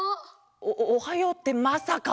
おおはようってまさか！？